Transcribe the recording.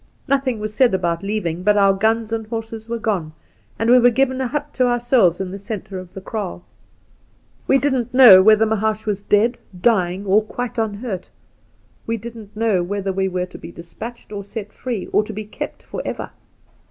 Nothing was said about leaving, but our guns and horses were gone, and we were given a hut to ourselves in the centre of the kraal. We didn't know whether Mahaash was 2 i8 The Outspan dead, dying, or quite unhurt. We didn't know whether we were to be despatched or set free, or to be kept for ever.